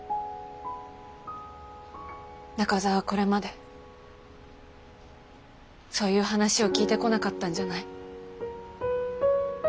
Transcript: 中澤はこれまでそういう話を聞いてこなかったんじゃない？